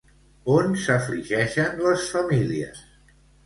On s'afligeixen les famílies?